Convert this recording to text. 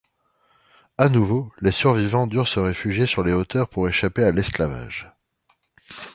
À nouveau, les survivants durent se réfugier sur les hauteurs pour échapper à l'esclavage.